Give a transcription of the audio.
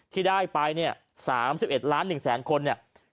ที่ได้ไปเนี่ย๓๑ล้าน๑แสนคนเนี่ย